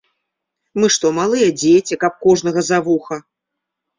Мы што, малыя дзеці, каб кожнага за вуха?